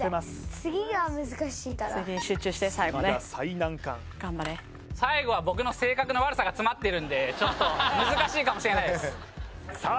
次は最難関頑張れ最後は僕の性格の悪さが詰まってるんでちょっと難しいかもしれないですさあ